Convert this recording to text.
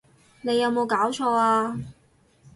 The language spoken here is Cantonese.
你有無攪錯呀！